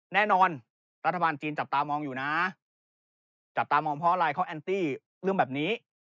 แน่นอนรัฐบาลจีนจับตามองอยู่นะจับตามองเพราะอะไรเขาแอนตี้เรื่องแบบนี้